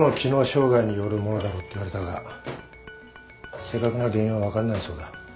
障害によるものだろうと言われたが正確な原因は分からないそうだ。